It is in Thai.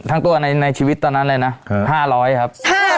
ทั้งตัวในชีวิตตอนนั้นเลยนะ๕๐๐ครับ